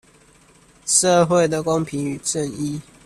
社會的公平與正義